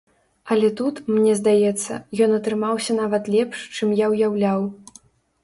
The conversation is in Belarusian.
Але тут, мне здаецца, ён атрымаўся нават лепш, чым я ўяўляў.